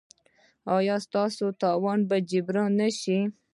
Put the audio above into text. ایا ستاسو تاوان به جبران نه شي؟